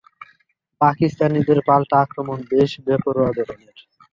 পাকিস্তানিদের পাল্টা আক্রমণ বেশ বেপরোয়া ধরনের।